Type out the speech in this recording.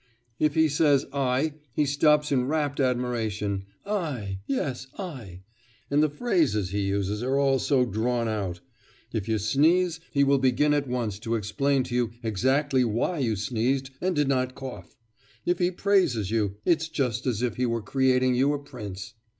If he says "I," he stops in rapt admiration, "I, yes, I!" and the phrases he uses are all so drawn out; if you sneeze, he will begin at once to explain to you exactly why you sneezed and did not cough. If he praises you, it's just as if he were creating you a prince.